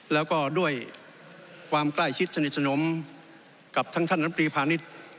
แล้วก็ด้วยความใกล้ชิดสนิทสนมกับทั้งท่านน้ำตรีพาณิชย์